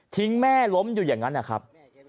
แม่ล้มอยู่อย่างนั้นนะครับ